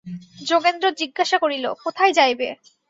যোগেন্দ্র জিজ্ঞাসা করিল, কোথায় যাইবে।